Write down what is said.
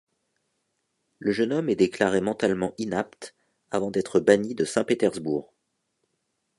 Le jeune homme est déclaré mentalement inapte avant d'être banni de Saint-Pétersbourg.